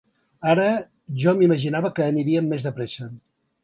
Ara, jo m’imaginava que aniríem més de pressa.